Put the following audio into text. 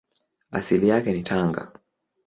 Asili yake ni Tanga.